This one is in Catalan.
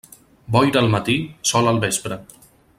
Boira al matí, sol al vespre.